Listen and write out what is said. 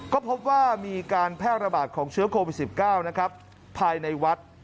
ก็พบว่ามีการแพร่ระบาดของเชื้อโควิด๑๙นะครับภายในวัด